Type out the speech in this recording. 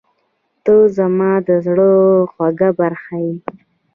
• ته زما د زړه خوږه برخه یې.